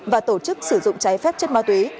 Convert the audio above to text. và tổ chức sử dụng trái phép chất ma túy